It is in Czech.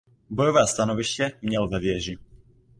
Bojové stanoviště měl ve věži.